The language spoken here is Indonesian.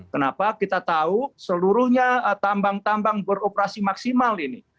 kenapa kita tahu seluruhnya tambang tambang beroperasi maksimal ini